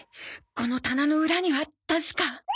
この棚のウラには確か